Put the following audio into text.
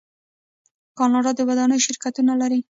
کاناډا د ودانیو شرکتونه لري.